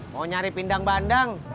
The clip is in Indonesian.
mau nyari pindang bandeng